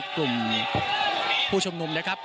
กลุ่มผู้ชุมนุมนะครับ